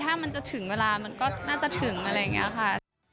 ถ้ามันจะถึงเวลามันก็น่าจะถึงอะไรอย่างนี้ค่ะ